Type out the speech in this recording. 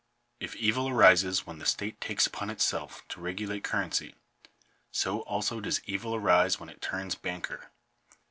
If evil arises when the state takes upon itself to regulate currency, so also does evil arise when it turns banker.